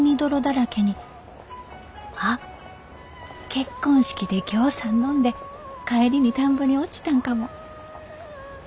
あっ結婚式でぎょうさん飲んで帰りに田んぼに落ちたんかも。